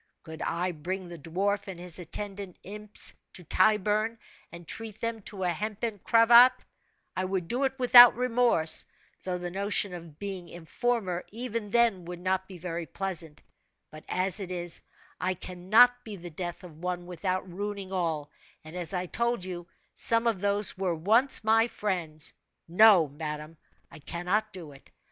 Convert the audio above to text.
Could I bring the dwarf and his attendant imps to Tyburn, and treat them to a hempen cravat, I would do it without remorse though the notion of being informer, even then, would not be very pleasant; but as it is, I cannot be the death of one without ruining all, and as I told you, some of those were once my friends. No, madame, I cannot do it.